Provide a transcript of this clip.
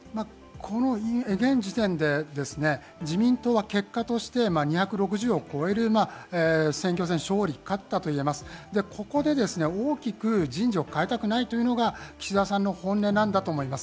現時点で自民党は結果として２６０を超える選挙戦勝利、勝ったといえます、ここで大きく人事を変えたくないというのが岸田さんの本音なんだと思います。